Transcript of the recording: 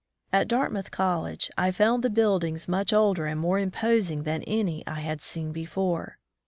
At Dartmouth College I found the build ings much older and more imposing than any I had seen before.